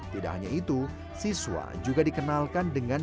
tidak hanya itu siswa juga dikenalkan dengan